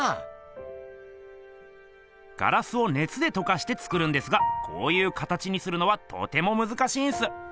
ガラスをねつでとかして作るんですがこういう形にするのはとてもむずかしいんす。